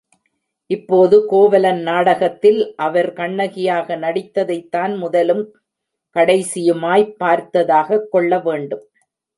இப்போது கோவலன் நாடகத்தில் அவர் கண்ணகியாக நடித்ததைத்தான் முதலும் கடைசியுமாய்ப் பார்த்ததாகக் கொள்ளவேண்டும்.